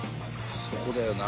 「そこだよな。